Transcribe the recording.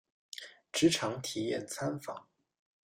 职场体验参访